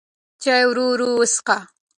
چای ورو ورو وڅښه.